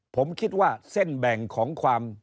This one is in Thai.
ผมคิดว่าเส้นแบ่งของความ